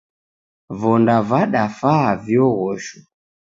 Vonda vadafaa vioghosho